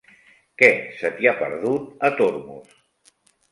Què se t'hi ha perdut, a Tormos?